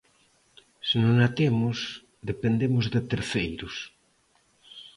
Se non a temos, dependemos de terceiros.